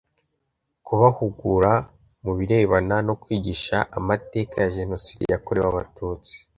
kubahugura mu birebana no kwigisha amateka ya Jenoside yakorewe Abatutsi